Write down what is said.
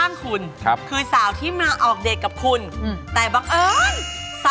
แล้วคุณพูดกับอันนี้ก็ไม่รู้นะผมว่ามันความเป็นส่วนตัวซึ่งกัน